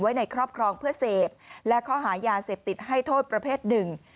ในครอบครองเพื่อเสพและข้อหายาเสพติดให้โทษประเภทหนึ่ง